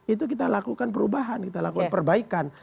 itu kita lakukan perubahan kita lakukan perbaikan